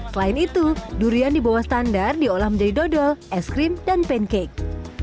selain itu durian di bawah standar diolah menjadi dodol es krim dan pancake